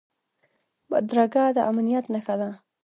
بدرګه د امنیت نښه ده